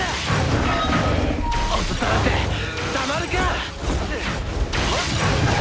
落とされてたまるか！